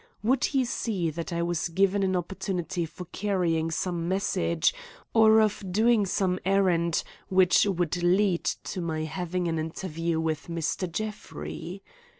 Would he see that I was given an opportunity for carrying some message, or of doing some errand which would lead to my having an interview with Mr. Jeffrey?